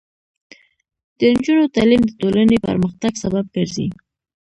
د نجونو تعلیم د ټولنې پرمختګ سبب ګرځي.